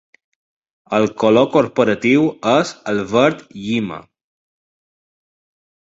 El color corporatiu és el verd llima.